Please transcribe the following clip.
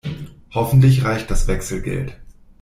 Hoffentlich reicht das Wechselgeld.